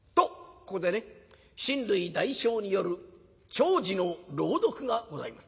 ここでね親類代表による弔辞の朗読がございます。